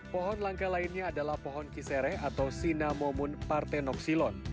pohon langka lainnya adalah pohon kisere atau sinamomun partenoksilon